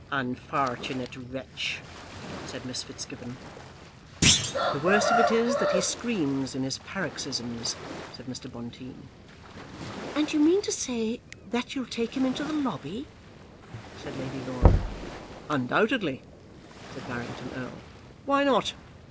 "Unfortunate wretch!" said Miss Fitzgibbon. "The worst of it is that he screams in his paroxysms," said Mr. Bonteen. "And you mean to say that you'll take him into the lobby," said Lady Laura. "Undoubtedly," said Barrington Erle. "Why not?